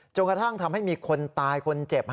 กระทั่งทำให้มีคนตายคนเจ็บ